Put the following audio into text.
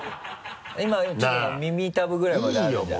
今ちょっと耳たぶぐらいまであるじゃん。